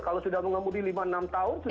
kalau sudah mengemudi lima enam tahun